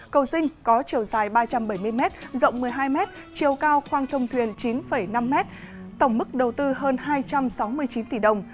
cầu dinh có chiều dài ba trăm bảy mươi m rộng một mươi hai m chiều cao khoang thông thuyền chín năm m tổng mức đầu tư hơn hai trăm sáu mươi chín tỷ đồng